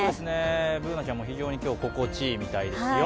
Ｂｏｏｎａちゃんも非常に心地いいみたいですよ。